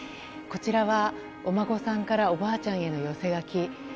こちらはお孫さんからおばあちゃんへの寄せ書き。